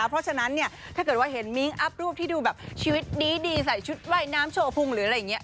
เพราะฉะนั้นเนี่ยถ้าเกิดว่าเห็นมิ้งอัพรูปที่ดูแบบชีวิตดีใส่ชุดว่ายน้ำโชว์พุงหรืออะไรอย่างนี้